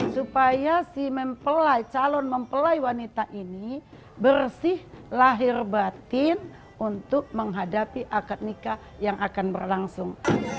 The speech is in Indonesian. supaya si calon mempelai wanita ini bersih lahir batin untuk menghadapi akad nikah yang akan berlangsung